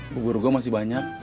bumbu ruga masih banyak